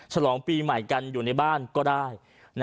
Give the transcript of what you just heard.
ฉลองปีใหม่กันอยู่ในบ้านก็ได้